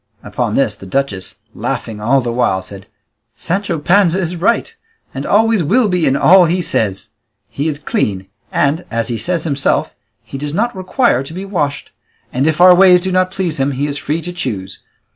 Upon this, the duchess, laughing all the while, said, "Sancho Panza is right, and always will be in all he says; he is clean, and, as he says himself, he does not require to be washed; and if our ways do not please him, he is free to choose.